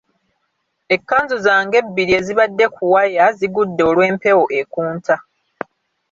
Ekkanzu zange ebbiri ezibadde ku waya zigudde olw'empewo ekunta.